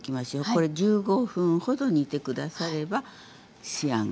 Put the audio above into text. これ１５分ほど煮て下されば仕上がりですね。